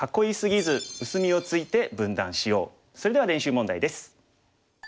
それでは練習問題です。